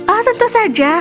oh tentu saja